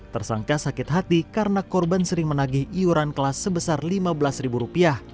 tersangka sakit hati karena korban sering menagih iuran kelas sebesar lima belas